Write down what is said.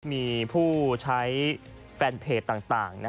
มีผู้ใช้แฟนเพจต่าง